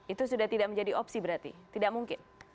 itu sudah tidak menjadi opsi berarti tidak mungkin